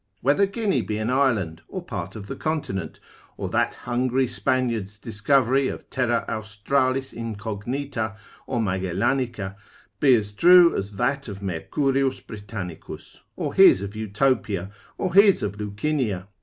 Whether Guinea be an island or part of the continent, or that hungry Spaniard's discovery of Terra Australis Incognita, or Magellanica, be as true as that of Mercurius Britannius, or his of Utopia, or his of Lucinia.